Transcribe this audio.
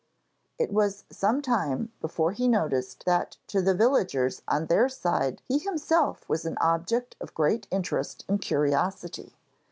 It was some time before he noticed that to the villagers on their side he himself was an object of great interest and curiosity.